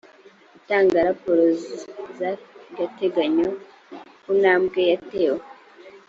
itanga raporo z’agateganyo ku ntambwe yatewe